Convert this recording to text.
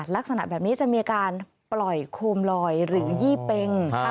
ลักษณะแบบนี้จะมีการปล่อยโคมลอยหรือยี่เป็ง